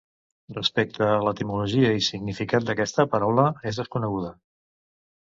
Respecte a l'etimologia i significat d'aquesta paraula, és desconeguda.